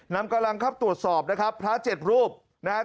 นำกำลังเข้าตรวจสอบนะครับพระเจ็ดรูปนะครับ